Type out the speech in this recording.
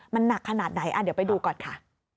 มันหนักขนาดไหนเดี๋ยวไปดูก่อนค่ะ